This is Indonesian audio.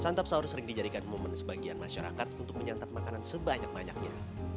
santap sahur sering dijadikan momen sebagian masyarakat untuk menyantap makanan sebanyak banyaknya